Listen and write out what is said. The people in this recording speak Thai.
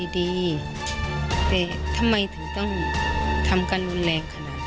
แต่ทำไมถึงต้องทำกันรุนแรงขนาดนั้น